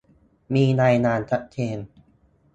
มีรายงานชัดเจน